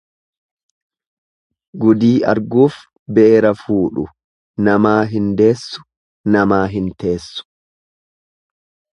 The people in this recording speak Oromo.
Gudii arguuf beera fuudhu namaa hin deessu, namaa hin teessu.